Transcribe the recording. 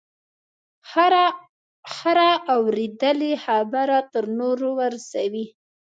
هره اورېدلې خبره تر نورو ورسوي.